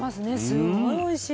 すごいおいしい。